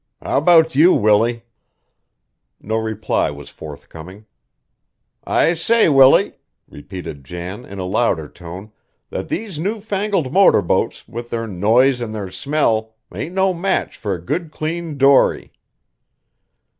How 'bout you, Willie?" No reply was forthcoming. "I say, Willie," repeated Jan in a louder tone, "that these new fangled motor boats, with their noise an' their smell, ain't no match fur a good clean dory."